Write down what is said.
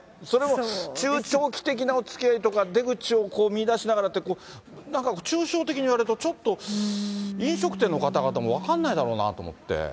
それを中長期的なおつきあいとか、出口を見いだしながらって、こう、なんか抽象的に言われると、ちょっと飲食店の方々も分かんないだろうなと思って。